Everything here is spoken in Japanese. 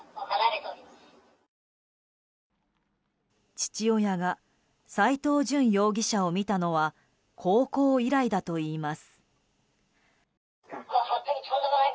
父親が斎藤淳容疑者を見たのは高校以来だといいます。